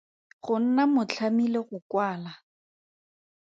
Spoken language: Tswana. Go nna motlhami le go kwala.